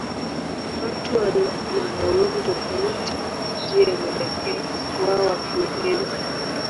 Watu wana mang'amuzi tofauti juu ya mwelekeo wao wa kimapenzi.